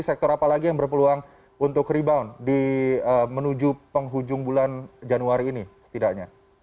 sektor apa lagi yang berpeluang untuk rebound menuju penghujung bulan januari ini setidaknya